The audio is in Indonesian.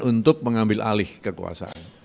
untuk mengambil alih kekuasaan